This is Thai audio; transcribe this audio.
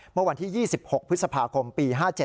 เมื่อวันที่๒๖พฤษภาคมปี๕๗